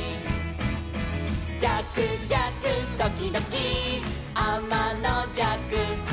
「じゃくじゃくドキドキあまのじゃく」